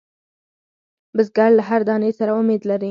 بزګر له هر دانې سره امید لري